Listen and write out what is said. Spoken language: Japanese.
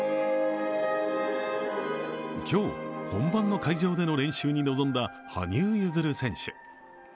今日、本番の会場での練習に臨んだ羽生結弦選手。